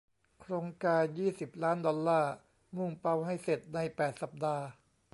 โครงการยี่สิบล้านดอลลาร์มุ่งเป้าให้เสร็จในแปดสัปดาห์